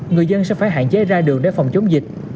người dân sẽ phải hạn chế ra đường để phòng chống dịch